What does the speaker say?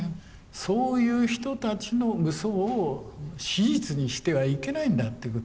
そういう人たちのうそを史実にしてはいけないんだっていうことなの。